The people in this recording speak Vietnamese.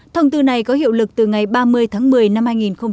thông tư này có hiệu lực từ ngày ba mươi tháng một mươi năm hai nghìn hai mươi